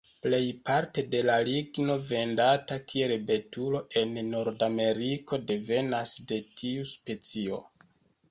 Plejparte de la ligno vendata kiel betulo en Nordameriko devenas de tiu specio.